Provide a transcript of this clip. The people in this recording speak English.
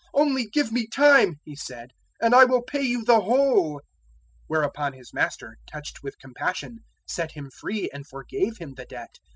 "`Only give me time,' he said, `and I will pay you the whole.' 018:027 "Whereupon his master, touched with compassion, set him free and forgave him the debt.